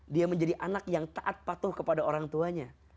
dia menjadi anak yang taat patuh kepada orang tuanya